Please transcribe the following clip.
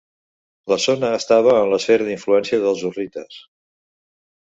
La zona estava en l'esfera d'influència dels hurrites.